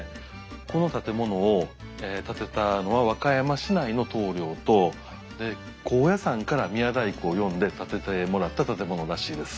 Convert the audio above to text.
この建物を建てたのは和歌山市内の棟りょうと高野山から宮大工を呼んで建ててもらった建物らしいです。